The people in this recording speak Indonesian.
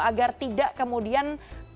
agar tidak kemudian